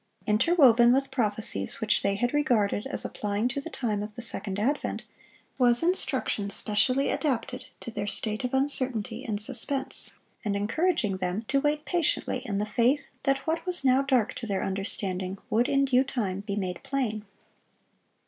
Interwoven with prophecies which they had regarded as applying to the time of the second advent, was instruction specially adapted to their state of uncertainty and suspense, and encouraging them to wait patiently in the faith that what was now dark to their understanding would in due time be made plain.